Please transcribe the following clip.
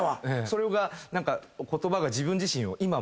それが言葉が自分自身を今も。